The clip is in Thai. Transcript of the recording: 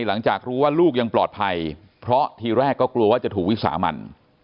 หลังจากรู้ว่าลูกยังปลอดภัยเพราะทีแรกก็กลัวว่าจะถูกวิสามัน